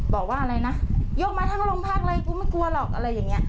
บอกว่าอะไรนะยกมาทั้งโรงพักเลยกูไม่กลัวหรอกอะไรอย่างนี้